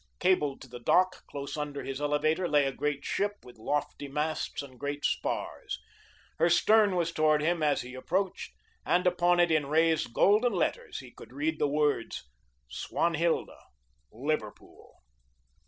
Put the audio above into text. Cabled to the dock, close under his elevator, lay a great ship with lofty masts and great spars. Her stern was toward him as he approached, and upon it, in raised golden letters, he could read the words "Swanhilda Liverpool."